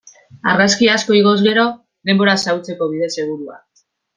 Argazki asko igoz gero, denbora xahutzeko bide segurua.